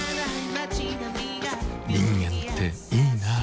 人間っていいナ。